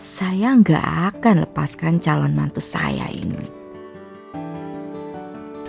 saya gak akan lepaskan calon mantu saya ini